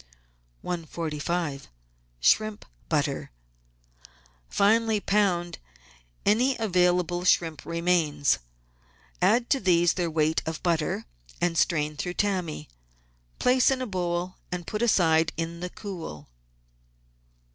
56 GUIDE TO MODERN COOKERY 145— SHRIMP BUTTER Finely pound any available shrimp remains, add to these their weight of butter, and strain through tammy. Place in a bowl and put aside in the cool.